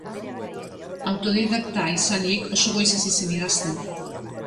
Autodidakta izanik oso goiz hasi zen idazten.